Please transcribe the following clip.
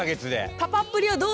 パパっぷりはどうですか？